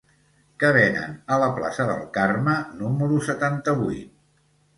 Què venen a la plaça del Carme número setanta-vuit?